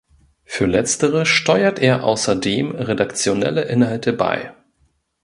Für letztere steuert er außerdem redaktionelle Inhalte bei.